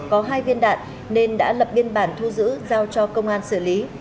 có hai viên đạn nên đã lập biên bản thu giữ giao cho công an xử lý